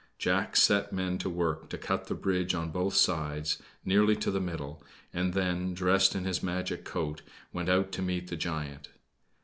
Jack set men to work to cut the bridge on both sides, nearly to the middle, and then, dressed in his magic coat, went out to meet the giant.